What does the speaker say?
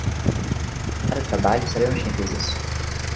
Para o trabalho, sabemos quem fez isso.